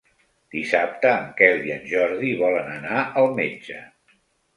Dissabte en Quel i en Jordi volen anar al metge.